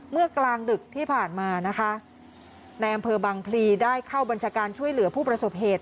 กลางดึกที่ผ่านมานะคะในอำเภอบังพลีได้เข้าบัญชาการช่วยเหลือผู้ประสบเหตุ